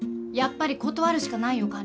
やっぱり断るしかないよ